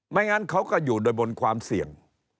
งั้นเขาก็อยู่โดยบนความเสี่ยง